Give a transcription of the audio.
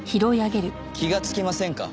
気がつきませんか？